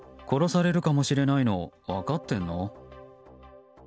殺されるかもしれないの分かってるの？